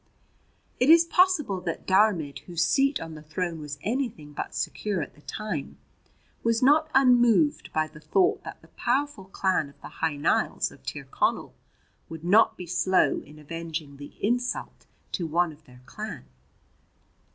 It is possible that Diarmaid, whose seat on the throne was anything but secure at the time, was not unmoved by the thought that the powerful clan of the Hy Nialls of Tir Connell would not be slow in avenging the insult to one of their clan.